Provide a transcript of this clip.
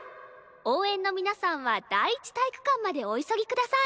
応援の皆さんは第一体育館までお急ぎください。